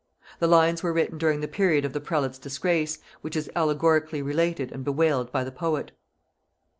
The lines were written during the period of the prelate's disgrace, which is allegorically related and bewailed by the poet.